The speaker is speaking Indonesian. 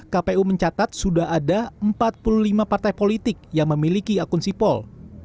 kpu mencatat sudah ada empat puluh lima partai politik yang memiliki akun sipol